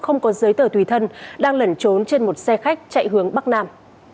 không có giấy tờ tùy thân đang lẩn trốn trên một xe khách chạy hướng bắc nam